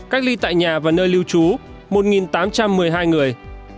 cách ly tại nhà và nơi lưu trú một tám trăm một mươi hai người